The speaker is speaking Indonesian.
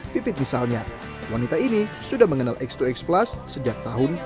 pipit misalnya wanita ini sudah mengenal x dua x plus sejak tahun dua ribu